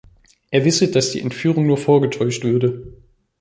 Er wisse, dass die Entführung nur vorgetäuscht würde.